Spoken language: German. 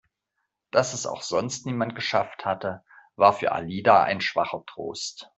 Dass es auch sonst niemand geschafft hatte, war für Alida ein schwacher Trost.